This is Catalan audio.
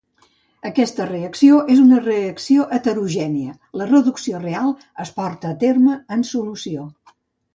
Aquesta reacció és una reacció heterogènia, la reducció real es porta a terme en solució.